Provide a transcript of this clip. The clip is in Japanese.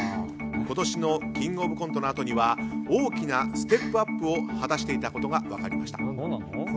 今年の「キングオブコント」のあとには大きなステップアップを果たしていたことが分かりました。